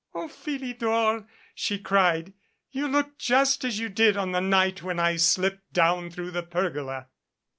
"O Philidor!" she cried. "You look just as you did on the night when I slipped down through the pergola."